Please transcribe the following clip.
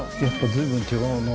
随分違うな。